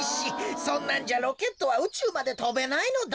そんなんじゃロケットはうちゅうまでとべないのだ。